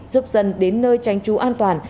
giúp dân đến nơi tranh trú an toàn